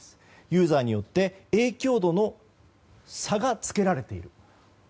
ユーザーによって影響度の差がつけられている。